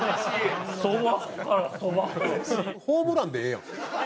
ホームランでええやん。